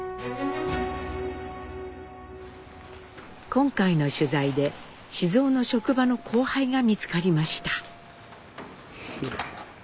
今回の取材で雄の職場の後輩が見つかりました。